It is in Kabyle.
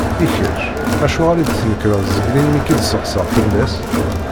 I kečč, acuɣer i tnekreḍ sgellin mi k-id-steqsaɣ fell-as?